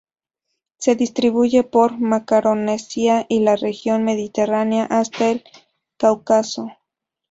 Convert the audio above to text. Se distribuye por Macaronesia y la región mediterránea hasta el Cáucaso.